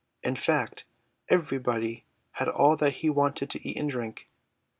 In fact, everybody had all that he wanted to eat and drink.